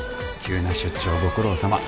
急な出張ご苦労さま